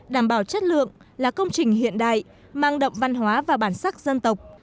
đảm bảo chất lượng là công trình hiện đại mang đậm văn hóa và bản sắc dân tộc